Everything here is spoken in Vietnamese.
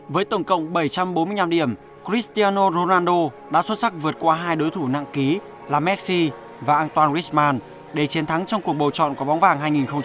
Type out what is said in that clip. với tổng cộng bảy trăm bốn mươi năm điểm cristiano ronaldo đã xuất sắc vượt qua hai đối thủ nặng ký là messi và antoine griezmann để chiến thắng trong cuộc bầu chọn của bóng vàng hai nghìn một mươi sáu